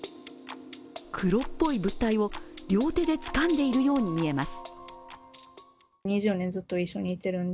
黒っぽい物体を両手でつかんでいるように見えます。